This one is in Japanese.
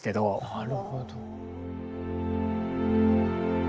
なるほど。